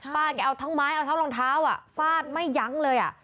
แกเอาทั้งไม้เอาทั้งรองเท้าฟาดไม่ยั้งเลย